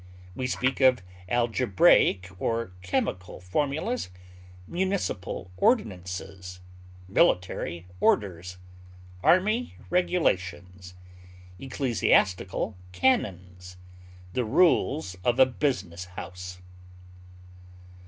We speak of algebraic or chemical formulas, municipal ordinances, military orders, army regulations, ecclesiastical canons, the rules of a business house.